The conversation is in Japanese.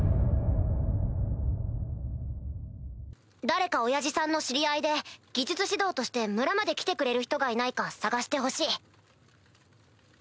誰かオヤジさんの知り合いで技術指導として村まで来てくれる人がいないか探してほしい。